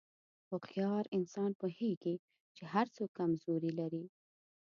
هوښیار انسان پوهېږي چې هر څوک کمزوري لري.